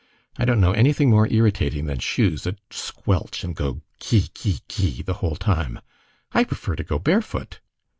I don't know anything more irritating than shoes that squelch, and go ghi, ghi, ghi, the whole time. I prefer to go barefoot."